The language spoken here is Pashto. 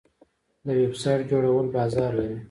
د ویب سایټ جوړول بازار لري؟